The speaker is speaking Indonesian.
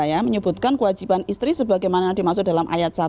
saya menyebutkan kewajiban istri sebagaimana dimaksud dalam ayat satu